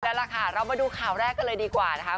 แล้วล่ะค่ะเรามาดูข่าวแรกกันเลยดีกว่านะคะ